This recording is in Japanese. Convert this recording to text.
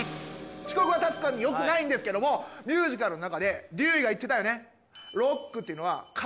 遅刻は確かによくないんですけどもミュージカルの中でデューイが言ってたよね。